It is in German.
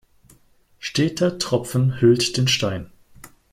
Steter Tropfen höhlt den Stein.